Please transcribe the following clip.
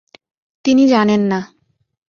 তিনি জানেন না।